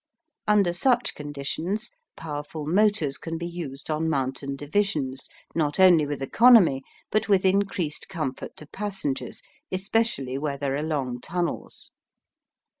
Under such conditions powerful motors can be used on mountain divisions, not only with economy, but with increased comfort to passengers, especially where there are long tunnels.